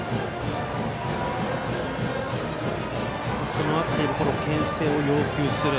この辺りもけん制を要求する。